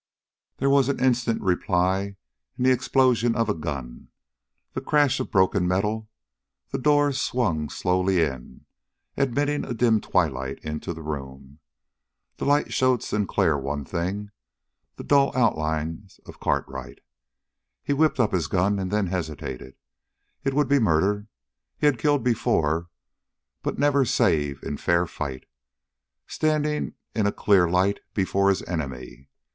There was an instant reply in the explosion of a gun, the crash of broken metal, the door swung slowly in, admitting a dim twilight into the room. The light showed Sinclair one thing the dull outlines of Cartwright. He whipped up his gun and then hesitated. It would be murder. He had killed before, but never save in fair fight, standing in a clear light before his enemy.